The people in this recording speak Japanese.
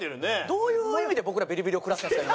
どういう意味で僕らビリビリを食らったんすか？